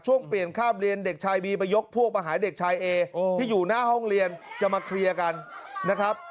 ช่วงเปลี่ยนคาบเรียนเด็กชายบีไปยกพวกมาหาเด็กชายเอที่อยู่หน้าห้องเรียนจะมาเคลียร์กันนะครับ